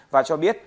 và cho biết